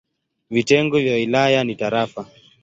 Vitengo vya wilaya ni tarafa.